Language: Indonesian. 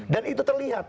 dan itu terlihat